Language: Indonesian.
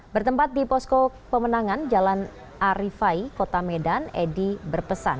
bertempat di posko pemenangan jalan arifai kota medan edi berpesan